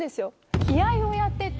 居合をやってて。